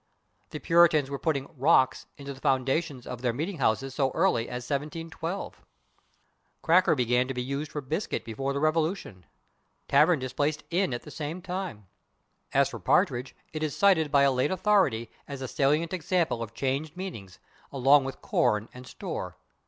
The Puritans were putting /rocks/ into the foundations of their meeting houses so early as 1712. /Cracker/ began to be used for /biscuit/ before the Revolution. /Tavern/ displaced /inn/ at the same time. As for /partridge/, it is cited by a late authority as a salient example of changed meaning, along with /corn/ and /store